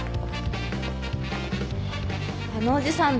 あのおじさん誰？